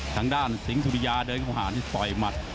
ทางด้านสิงห์สุริยาเดินเข้าหานี่ต่อยหมัด